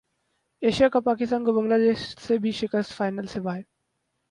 Asia Cup Pakistan کو Bangladesh سے بھی شکست فائنل سے باہر